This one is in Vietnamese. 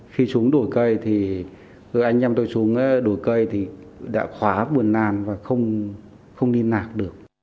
khi xuống đổi cây thì anh em tôi xuống đổi cây thì đã khóa buồn nan và không đi nạc được